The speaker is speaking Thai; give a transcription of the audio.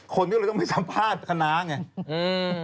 คนก็เลยต้องไปสัมภาษณ์คณะไง